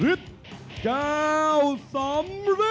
ริดแก้วสำริด